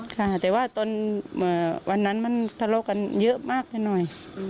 ค่ะแต่ว่าตอนวันนั้นมันทะเลาะกันเยอะมากไปหน่อย